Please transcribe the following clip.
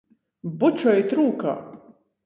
Bučojit rūkā!